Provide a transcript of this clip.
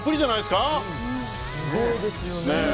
すごいですよね。